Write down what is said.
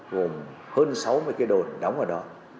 gồm hơn sáu mươi cái đồn đóng ở đó